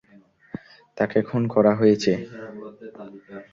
তাকে খুন করা হয়েছে।